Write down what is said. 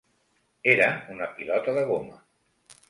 Era una pilota de goma.